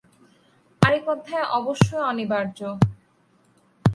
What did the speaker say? আরেক অধ্যায় অবশ্যই অনিবার্য।